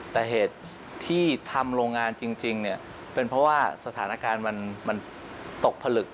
แต่เหตุที่ทำโรงงานจริงเนี่ยเป็นเพราะว่าสถานการณ์มันตกผลึก